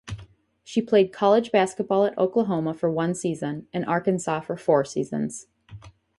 She played college basketball at Oklahoma for one season and Arkansas for four seasons.